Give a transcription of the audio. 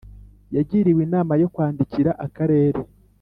Yagiriwe inama yo kwandikira Akarere